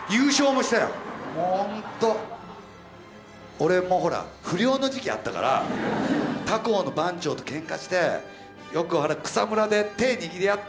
俺もほら不良の時期あったから他校の番長とけんかしてよくほら草むらで手握り合って